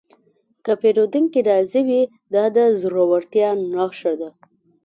که پیرودونکی راضي وي، دا د زړورتیا نښه ده.